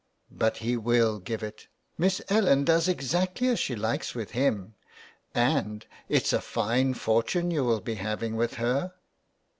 " But he will give it. Miss Ellen does exactly as she hkes with him, and it's a fine fortune you will be having with her.''